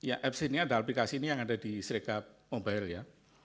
apps ini adalah aplikasi yang ada di serikap mobile